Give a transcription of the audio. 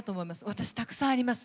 私、たくさんあります。